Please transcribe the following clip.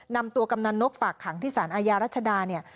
กำนันนกฝากขังที่สารอาญารัชดาเนี่ย